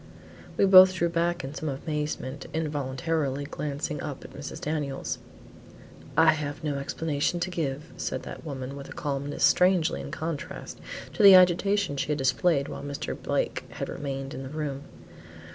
We both drew back in some amazement, involuntarily glancing up at Mrs. Daniels. "I have no explanation to give," said that woman, with a calmness strangely in contrast to the agitation she had displayed while Mr. Blake had remained in the room.